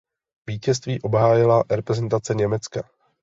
Vítězství obhájila reprezentace Německa.